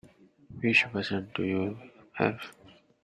Which version do you have?